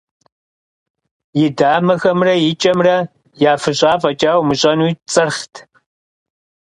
И дамэхэмрэ и кӀэмрэ, яфыщӀа фӀэкӀа умыщӀэну, цӀырхът.